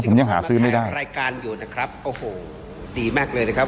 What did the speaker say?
ผมยังหาซื้อไม่ได้รายการอยู่นะครับโอ้โหดีมากเลยนะครับ